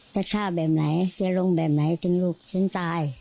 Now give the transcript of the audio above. จะฆ่าแบบไหนจะลงแบบไหนจนลูกฉันตาย